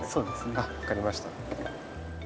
あっ分かりました。